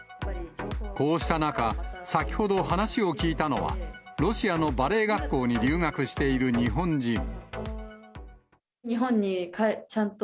こうした中、先ほど話を聞いたのは、ロシアのバレエ学校に留学している日本人。